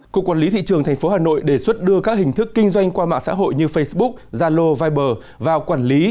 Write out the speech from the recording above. cục quản lý thị trường tp hà nội đề xuất đưa các hình thức kinh doanh qua mạng xã hội như facebook zalo viber vào quản lý